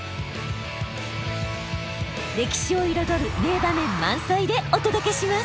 歴史を彩る名場面満載でお届けします。